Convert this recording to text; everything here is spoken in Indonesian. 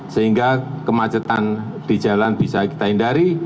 sehingga kemacetan di jalan bisa kita hindari